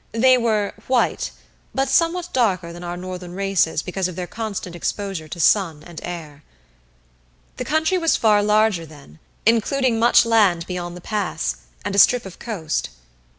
They were "white," but somewhat darker than our northern races because of their constant exposure to sun and air. The country was far larger then, including much land beyond the pass, and a strip of coast.